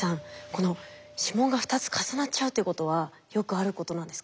この指紋が２つ重なっちゃうってことはよくあることなんですか？